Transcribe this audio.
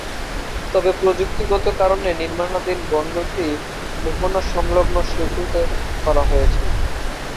তবে প্রযুক্তিগত কারণে নির্মাণাধীন বন্দরটি, মোহনা সংলগ্ন সৈকতে করা হয়েছে।